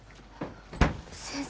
先生。